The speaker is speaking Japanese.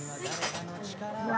うわ！